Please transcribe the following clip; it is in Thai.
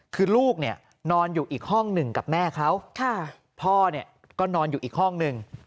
คือลูกเนี่ยนอนอยู่อีกห้องหนึ่งกับแม่เขาพ่อเนี่ยก็นอนอยู่อีกห้องหนึ่ง